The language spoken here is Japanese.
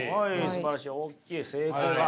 すばらしい大きい成功が。